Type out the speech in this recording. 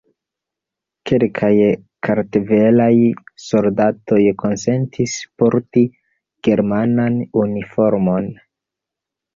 Kelkaj kartvelaj soldatoj konsentis porti germanan uniformon.